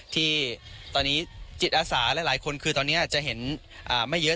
ที่ตอนนี้จิตอาสาหลายคนคือตอนนี้จะเห็นไม่เยอะ